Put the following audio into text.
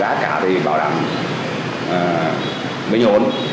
giá cả thì bảo đảm bình ổn